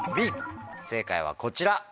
正解はこちら。